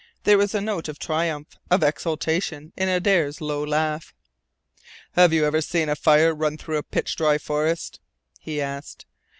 There was a note of triumph, of exultation, in Adare's low laugh. "Have you ever seen a fire run through a pitch dry forest?" he asked.